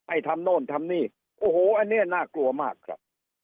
ทำโน่นทำนี่โอ้โหอันนี้น่ากลัวมากครับ